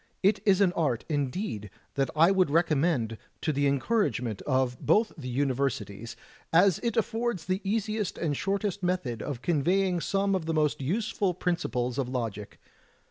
It is an art, indeed, that I would recommend to the encouragement of both the Universities, as it affords the easiest and shortest method of conveying some of the most useful principles of logic.